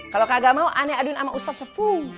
kalo kagak mau aneh aduin ama ustaz sepuluh